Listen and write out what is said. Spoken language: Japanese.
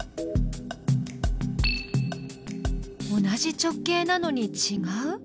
同じ直径なのにちがう？